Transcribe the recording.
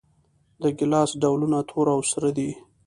د ګیلاس ډولونه تور او سره دي.